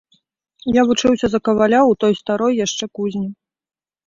Я вучыўся за каваля ў той старой яшчэ кузні.